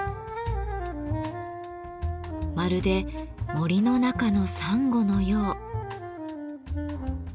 まるで森の中のサンゴのよう。